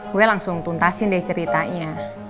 gue langsung tuntasin deh ceritanya